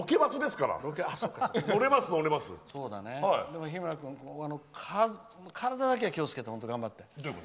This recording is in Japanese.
でも、日村君体だけは気をつけて頑張って。